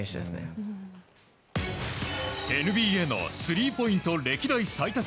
ＮＢＡのスリーポイント歴代最多